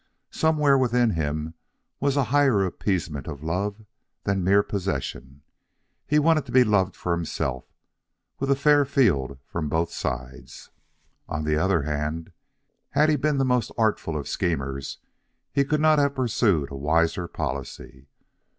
Somewhere within him was a higher appeasement of love than mere possession. He wanted to be loved for himself, with a fair field for both sides. On the other hand, had he been the most artful of schemers he could not have pursued a wiser policy.